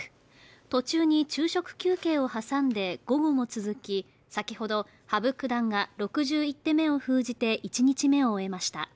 途中に昼食休憩を挟んで午後も続き先ほど、羽生九段が６１手目を封じて、１日目を終えました。